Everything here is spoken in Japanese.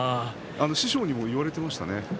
師匠にも言われていましたね。